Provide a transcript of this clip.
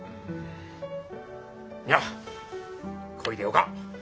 いやこいでよか。